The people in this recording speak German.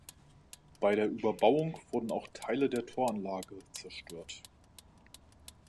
Bei der Überbauung wurden auch Teile der Toranlage zerstört.